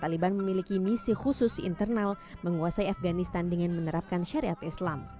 taliban memiliki misi khusus internal menguasai afganistan dengan menerapkan syariat islam